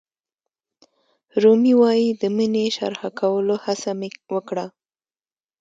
رومي وایي د مینې شرحه کولو هڅه مې وکړه.